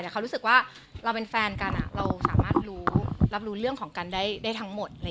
แต่เขารู้สึกว่าเราเป็นแฟนกันเราสามารถรู้รับรู้เรื่องของกันได้ทั้งหมด